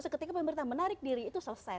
ketika pemerintah menarik diri itu selesai revisi